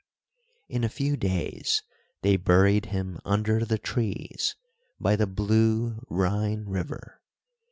In a few days they buried him under the trees, by the blue Rhine River.